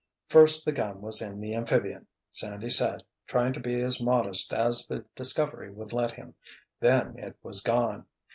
"First the gum was in the amphibian," Sandy said, trying to be as modest as the discovery would let him, "then it was gone.